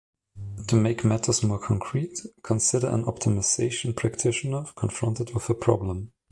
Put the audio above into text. To make matters more concrete, consider an optimization practitioner confronted with a problem.